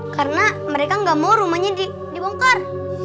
karena mereka gak mau rumahnya dibongkar